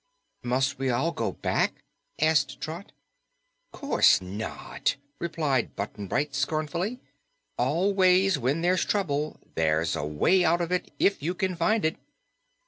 "Must we all go back?" asked Trot. "Course not!" replied Button Bright scornfully. "Always when there's trouble, there's a way out of it if you can find it."